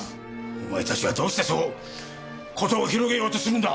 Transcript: お前たちはどうしてそう事を広げようとするんだ。